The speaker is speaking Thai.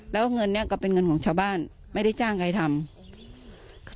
แล้วเงินนี้ก็เป็นเงินของชาวบ้านไม่ได้จ้างใครทำ